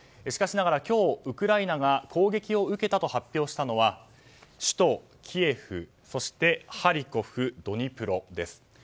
しかしながら今日ウクライナが砲撃を受けたと受けたと発表したのは首都キエフそして、ハリコフ、ドニプロです。